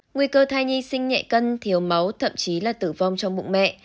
nguy cơ thai nhi sinh nhẹ cân thiếu máu thậm chí là tử vong trong bụng mẹ